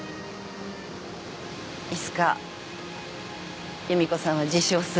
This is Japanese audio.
いつか夕美子さんは自首をする。